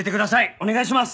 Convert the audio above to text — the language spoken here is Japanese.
お願いします！